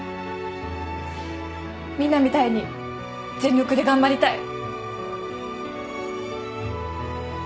みんなみたいに全力で頑張りたい。